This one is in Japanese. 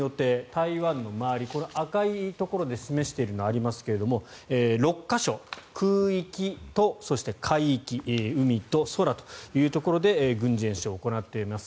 台湾の周り赤いところで示しているのがありますが６か所、空域と海域海と空というところで軍事演習を行っています。